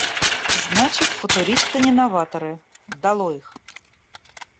Значит, футуристы не новаторы. Долой их!